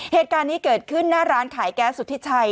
เหตุการณ์นี้เกิดขึ้นหน้าร้านขายแก๊สสุธิชัย